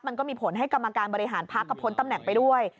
มันก็มีผลให้กรรมการบริหารพักก็พ้นตำแหน่งไปด้วย